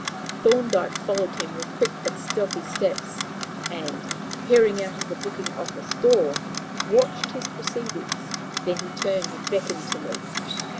Thorndyke followed him with quick but stealthy steps, and, peering out of the booking office door, watched his proceedings; then he turned and beckoned to me.